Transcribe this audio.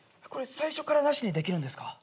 これ最初からなしにできるんですか？